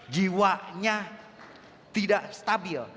jiwanya tidak stabil